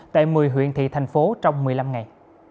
tại một mươi huyện thị thành phố trong một mươi năm ngày